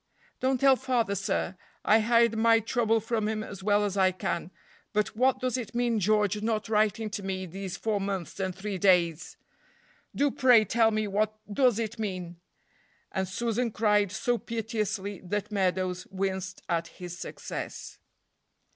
"Don't tell father, sir; I hide my trouble from him as well as I can, but what does it mean George not writing to me these four months and three days? Do pray tell me what does it mean!" and Susan cried so piteously that Meadows winced at his success.